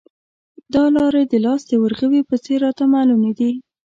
دا لارې د لاس د ورغوي په څېر راته معلومې دي.